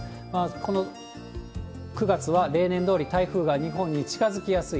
この９月は例年どおり、台風が日本に近づきやすい。